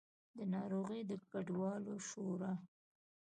د ناروې د کډوالو شورا